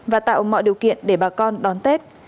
và tạo mọi điều kiện để bà con đón tết